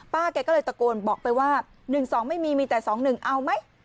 แกก็เลยตะโกนบอกไปว่า๑๒ไม่มีมีแต่๒๑เอาไหม